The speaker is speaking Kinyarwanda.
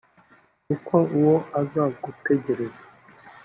kuko uwo azagutegereza